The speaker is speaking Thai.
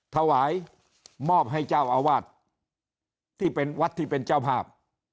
ถวายมอบให้เจ้าอาวาสที่เป็นวัดที่เป็นเจ้าภาพ